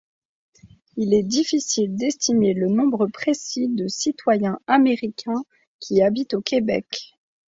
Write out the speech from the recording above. Il est difficile d'estimer le nombre précis de citoyens américains qui habitent au Québec.